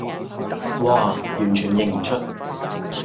嘩，完全認唔出